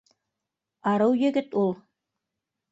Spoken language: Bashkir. Арыу егет ул